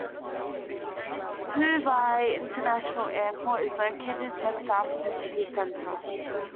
Phu Bai International Airport is located just south of the city centre.